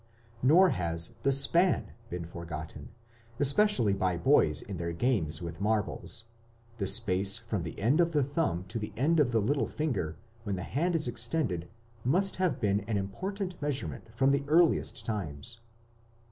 Nor has the span been forgotten, especially by boys in their games with marbles; the space from the end of the thumb to the end of the little finger when the hand is extended must have been an important measurement from the earliest times.